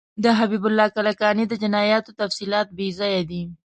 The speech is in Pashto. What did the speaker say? د حبیب الله کلکاني د جنایاتو تفصیلات بیځایه دي.